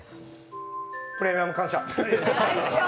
プレミアム感謝。